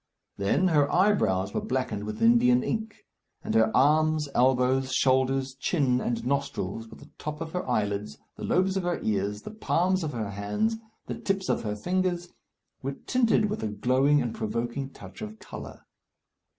Then, her eyebrows were blackened with Indian ink; and her arms, elbows, shoulders, chin, and nostrils, with the top of her eyelids, the lobes of her ears, the palms of her hands, the tips of her fingers, were tinted with a glowing and provoking touch of colour.